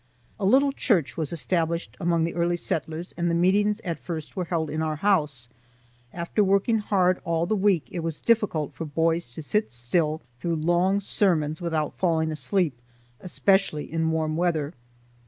A little church was established among the earlier settlers and the meetings at first were held in our house. After working hard all the week it was difficult for boys to sit still through long sermons without falling asleep, especially in warm weather.